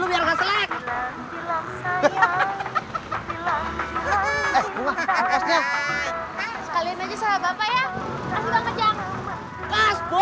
pak saya janji deh pak